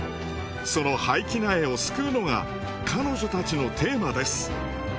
その廃棄苗を救うのが彼女たちのテーマです。